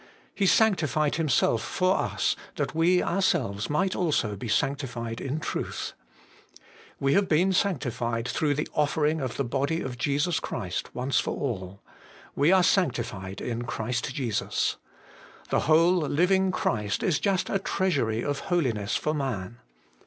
He sanctified Himself for us, that we ourselves might also be sanctified in truth. We have been sanc tified through the offering of the body of Jesus Christ once for all. We are sanctified in Christ Jesus. The whole living Christ is just a treasury of holiness for man.